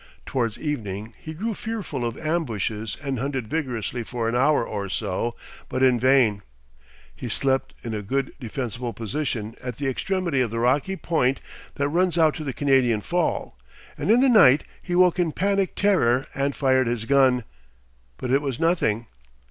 Towards evening he grew fearful of ambushes and hunted vigorously for an hour or so, but in vain. He slept in a good defensible position at the extremity of the rocky point that runs out to the Canadian Fall, and in the night he woke in panic terror and fired his gun. But it was nothing.